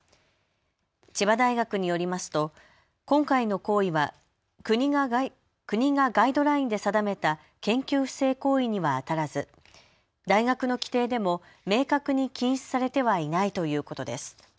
千葉大学によりますと今回の行為は国がガイドラインで定めた研究不正行為にはあたらず大学の規定でも明確に禁止されてはいないということです。